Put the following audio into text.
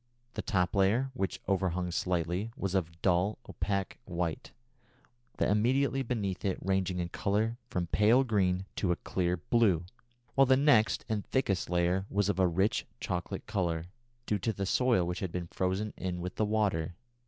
The top layer, which overhung slightly, was of dull opaque white, that immediately beneath it ranging in colour from pale green to a clear blue, while the next and thickest layer was of a rich chocolate colour, due to the soil which had been frozen in with the water.